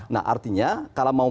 nah artinya kalau mau